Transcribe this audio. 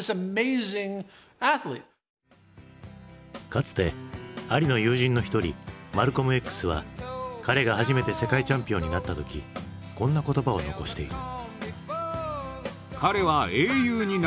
かつてアリの友人の一人マルコムＸは彼が初めて世界チャンピオンになった時こんな言葉を残している。